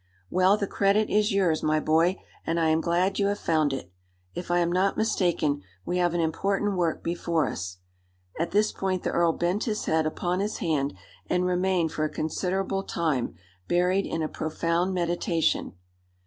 Well, the credit is yours, my boy; and I am glad you have found it. If I am not mistaken, we have an important work before us." At this point the earl bent his head upon his hand, and remained for a considerable time buried in a profound meditation.